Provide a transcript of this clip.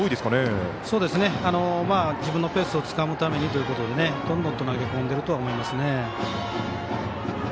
自分のペースをつかむためにということでどんどんと投げ込んでいるとは思います。